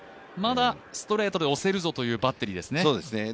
まだストレートで押せるぞというバッテリーですね。